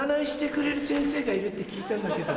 がいるって聞いたんだけど。